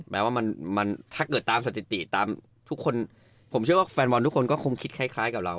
แม้ว่ามันถ้าเกิดตามสถิติตามทุกคนผมเชื่อว่าแฟนบอลทุกคนก็คงคิดคล้ายกับเรา